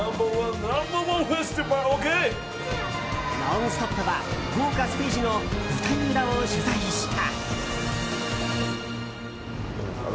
「ノンストップ！」は豪華ステージの舞台裏を取材した。